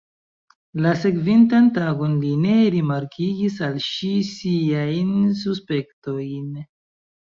La sekvintan tagon li ne rimarkigis al ŝi siajn suspektojn.